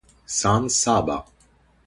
San Saba